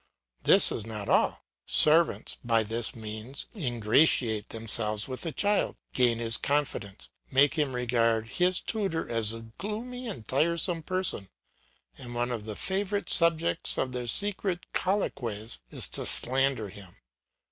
This is not all; servants, by this means, ingratiate themselves with a child, gain his confidence, make him regard his tutor as a gloomy and tiresome person; and one of the favourite subjects of their secret colloquies is to slander him.